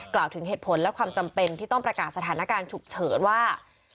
กล่าวถึงเหตุผลและความจำเป็นที่ต้องประกาศสถานการณ์ฉุกเฉินว่า